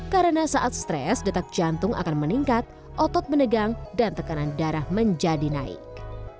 karena saat stres detak jantung akan meningkat otot menegang dan tekanan darah menjadi naik